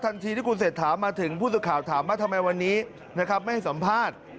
ทันทีที่คุณเศรษฐามาถึงผู้สื่อข่าวถามว่าทำไมวันนี้นะครับไม่ให้สัมภาษณ์